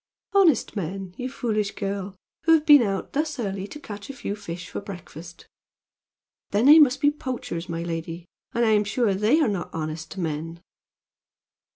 "Honest men, you foolish girl, who have been out thus early to catch a few fish for breakfast." "Then they must be poachers, my lady; and I'm sure they are not honest men."